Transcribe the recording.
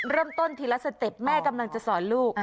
เริ่มต้นทีละสเต็ปแม่กำลังจะสอนลูก